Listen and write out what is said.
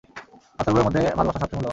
পাথরগুলোর মধ্যে ভালোবাসা সবচেয়ে মূল্যবান।